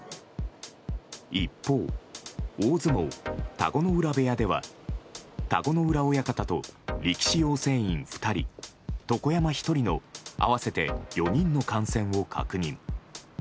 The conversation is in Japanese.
一方、大相撲田子ノ浦部屋では田子ノ浦親方と力士養成員２人床山１人の合わせて４人の感染を確認。